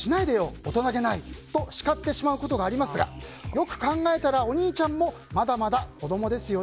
大人げない！と叱ってしまうことがありますがよく考えたらお兄ちゃんもまだまだ子供ですよね。